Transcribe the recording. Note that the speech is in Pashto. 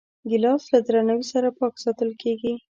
ګیلاس له درناوي سره پاک ساتل کېږي.